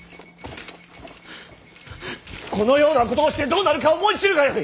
このようなことをしてどうなるか思い知るがよい！